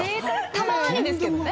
たまにですけどね。